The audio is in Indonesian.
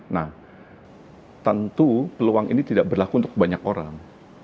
nah tentu peluang ini tidak berlaku untuk banyak orang